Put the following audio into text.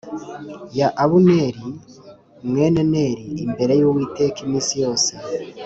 ya Abuneri mwene Neri, imbere y’Uwiteka iminsi yose.